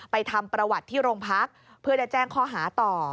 ทำประวัติที่โรงพักเพื่อจะแจ้งข้อหาต่อ